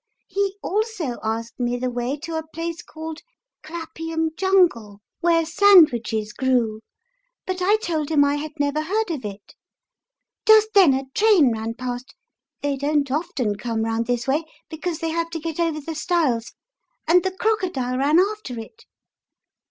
He also asked me the way to a place called Clappiam Jungle, where sandwiches grew, but I told him that I had never 46 A person hitherto unknown to nursery rhymists. heard of it. Just then a train ran past (they don't often come round this way, because they have to get over the stiles), and the crocodile ran after it."